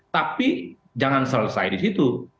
tapi jangan selesai di situ